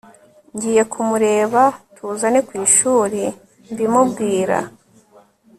ngiye kumureba tuzane kwishuri mbimubwira